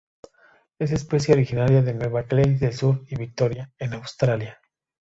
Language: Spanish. Es especie originaria de Nueva Gales del Sur y Victoria, en Australia.